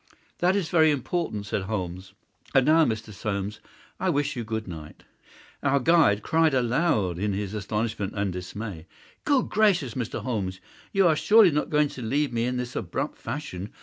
"That is very important," said Holmes. "And now, Mr. Soames, I wish you good night." Our guide cried aloud in his astonishment and dismay. "Good gracious, Mr. Holmes, you are surely not going to leave me in this abrupt fashion!